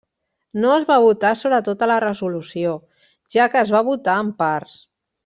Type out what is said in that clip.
No es va votar sobre tota la resolució, ja que es va votar en parts.